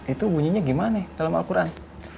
itu bunyinya gimana dalam al quran